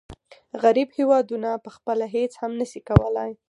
غریب هېوادونه پخپله هیڅ هم نشي کولای.